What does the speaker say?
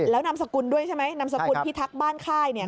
แล้วนามสกุลด้วยใช่ไหมนามสกุลพิทักษ์บ้านค่ายเนี่ย